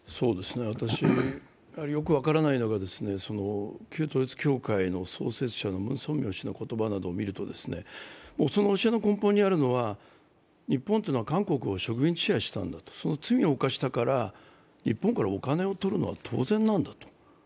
私、よく分からないのが、旧統一教会の創設者のムン・ソンミョル氏の言葉なんかを見ると教えの根本にあるのは日本というのは韓国を植民地支配をしていたんだ、その罪を犯したから日本からお金を取るのは当然なんだと。